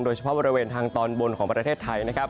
บริเวณทางตอนบนของประเทศไทยนะครับ